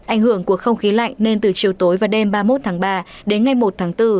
ảnh hưởng của không khí lạnh nên từ chiều tối và đêm ba mươi một tháng ba đến ngày một tháng bốn